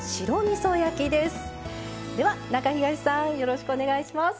では中東さんよろしくお願いします。